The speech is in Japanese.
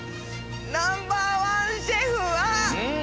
ナンバーワンシェフはうん。